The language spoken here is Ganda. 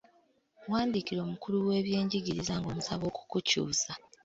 Wandiikira omukulu w’ebyenjigiriza ng'omusaba okukukyusa.